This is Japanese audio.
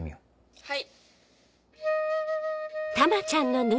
はい。